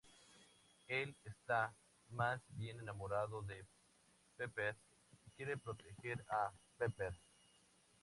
Él está más bien enamorado de Pepper y quiere proteger a Pepper.